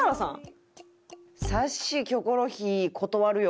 さっしー『キョコロヒー』断るよ